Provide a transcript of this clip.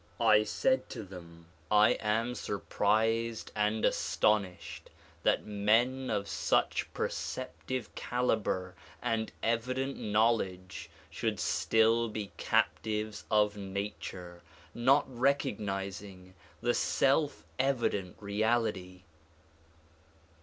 I said to them *'I am surprised and astonished that men of such perceptive caliber and evident knowledge should still be captives of nature, not recognizing the self evident Reality."